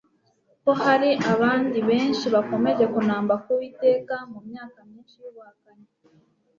ko hari abandi benshi bakomeje kunamba ku Uwiteka mu myaka myinshi yubuhakanyi